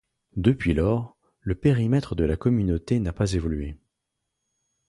Depuis lors, le périmètre de la communauté n'a pas évolué.